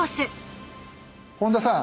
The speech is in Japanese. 本田さん